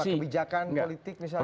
kebijakan politik misalnya